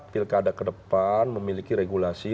pilkada ke depan memiliki regulasi